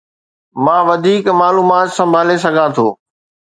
مان وڌيڪ معلومات سنڀالي سگهان ٿو